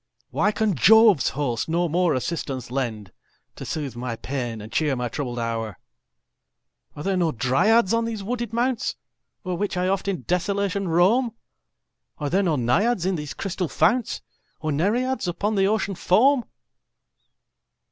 Why can Jove's host no more assistance lend, To soothe my pains, and cheer my troubled hour? Are there no Dryads on these wooded mounts O'er which I oft in desolation roam? Are there no Naiads in these crystal founts? Nor Nereids upon the Ocean foam?